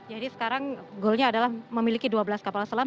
jadi sekarang goalnya adalah memiliki dua belas kapal selam